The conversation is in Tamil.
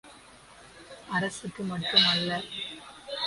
அரசுக்கு மட்டும் அல்ல.